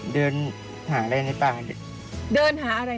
เดินหาอะไรในป่าแล้ว